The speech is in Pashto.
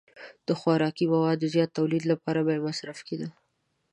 د خوراکي موادو زیات تولید لپاره به مصرف کېده.